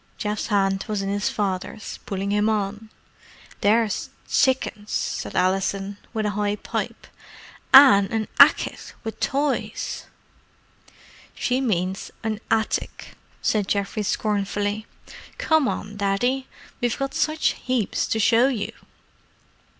Geoff's hand was in his father's, pulling him on. "There's tsickens!" said Alison in a high pipe. "An' a ackit wiv toys." "She means an attic," said Geoffrey scornfully. "Come on, Daddy. We've got such heaps to show you."